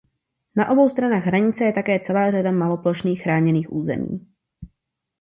Na obou stranách hranice je také celá řada maloplošných chráněných území.